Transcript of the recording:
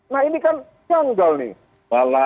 nah ini kan janggal nih